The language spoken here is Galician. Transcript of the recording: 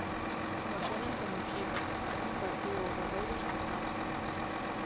Moxenas de Muxicas tamén impartiu obradoiros en Moaña.